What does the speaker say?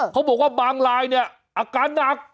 เขาบอกว่าบางรายเนี่ยอาการหนัก